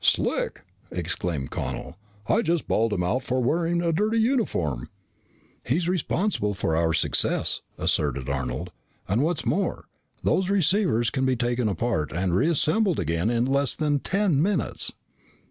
"Slick!" exclaimed Connel. "I just bawled him out for wearing a dirty uniform." "He's responsible for our success," asserted Arnold. "And what's more, those receivers can be taken apart and reassembled again in less than ten minutes."